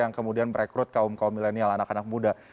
yang kemudian merekrut kaum kaum milenial anak anak muda